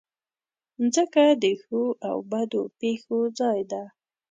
مځکه د ښو او بدو پېښو ځای ده.